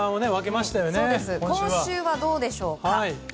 今週はどうでしょうか。